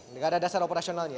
nggak ada dasar operasionalnya